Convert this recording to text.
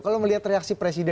kalau melihat reaksi presiden